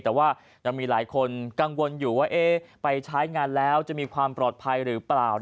แต่ว่ายังมีหลายคนกังวลอยู่ว่าไปใช้งานแล้วจะมีความปลอดภัยหรือเปล่า